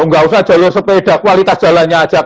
oh nggak usah jalur sepeda kualitas jalannya aja kak cik